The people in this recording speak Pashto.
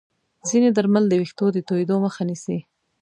ځینې درمل د ویښتو د توییدو مخه نیسي.